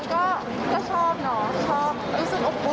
ชอบรู้สึกอบอุ่นสู้ค่ะแล้วยิ่งเห็นวันนี้ยิ่งสู้เข้าไปใหญ่